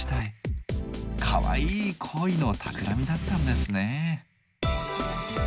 かわいい「恋のたくらみ」だったんですね。